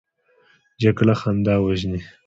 جګړه خندا وژني